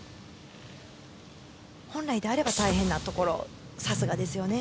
本来であれば大変なところさすがですよね。